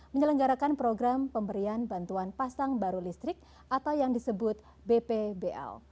menyelenggarakan program pemberian bantuan pasang baru listrik atau yang disebut bpbl